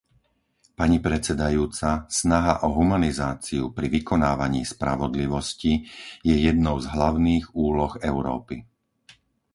Pani predsedajúca, snaha o humanizáciu pri vykonávaní spravodlivosti je jednou z hlavných úloh Európy.